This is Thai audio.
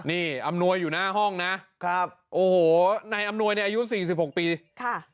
นี่อำนวยอยู่หน้าห้องนะครับโอ้โหนายอำนวยเนี่ยอายุสี่สิบหกปีค่ะ